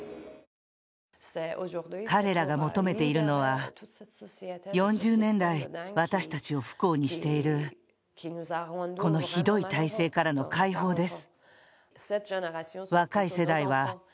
彼らが求めているのは４０年来、私たちを不幸にしているこのひどい体制からの解放です。